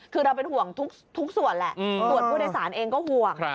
คือเราเป็นห่วงทุกส่วนแหละส่วนผู้โดยสารเองก็ห่วง